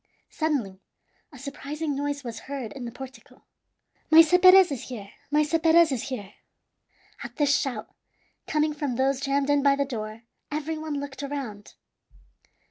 Suddenly a surprising noise was heard in the portico. "Maese Perez is here! Maese Perez is here!" At this shout, coming from those jammed in by the door, every one looked around.